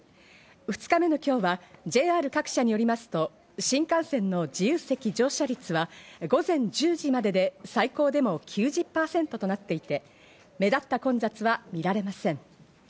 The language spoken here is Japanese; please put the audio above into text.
２日目の今日はＪＲ各社によりますと、新幹線の自由席乗車率は午前１０時までで、最高でも９０％となっていて、目立った混雑は見られません。